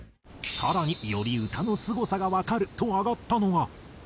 更により歌のすごさがわかると挙がったのが。